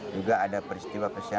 juga ada peristiwa peristiwa